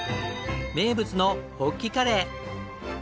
名物のホッキカレー。